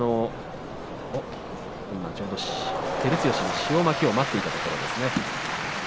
今ちょうど照強の塩まきを待っていたところですね。